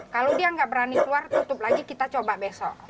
kalau dia nggak berani keluar tutup lagi kita coba besok